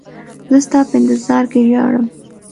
زه ستا په انتظار کې ژاړم.